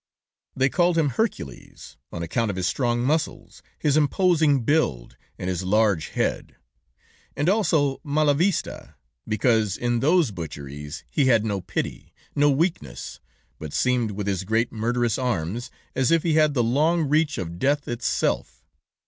] "They called him Hercules, on account of his strong muscles, his imposing build, and his large head, and also Malavista, because in those butcheries he had no pity, no weakness, but seemed, with his great murderous arms, as if he had the long reach of death itself.